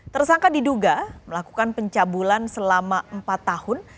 tersangka diduga melakukan pencabulan selama empat tahun